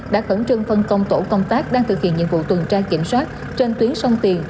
đã khẩn trương phân công tổ công tác đang thực hiện nhiệm vụ tuần tra kiểm soát trên tuyến sông tiền